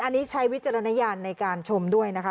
อันนี้ใช้วิจารณญาณในการชมด้วยนะคะ